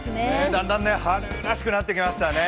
だんだん春らしくなってきましたね。